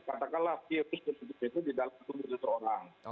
katakanlah virus tersebut itu di dalam tubuh seseorang